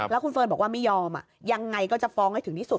แล้วคุณเฟิร์นบอกว่าไม่ยอมยังไงก็จะฟ้องให้ถึงที่สุด